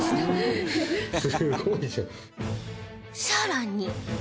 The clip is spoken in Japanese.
さらに